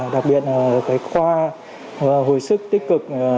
đặc biệt là cái khoa hồi sức tích cực